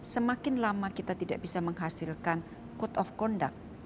semakin lama kita tidak bisa menghasilkan code of conduct